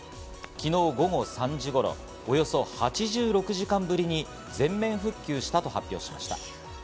昨日午後３時頃、およそ８６時間ぶりに全面復旧したと発表しました。